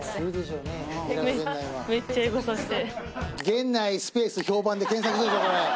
「源内」「スペース」「評判」で検索するでしょ。